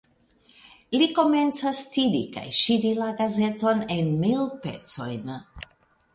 Li komencas tiri kaj ŝiri la gazeton en mil pecojn.